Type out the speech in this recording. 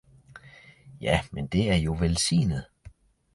Ja, men det er jo velsignet!